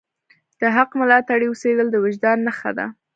د حق ملاتړی اوسیدل د وجدان نښه ده.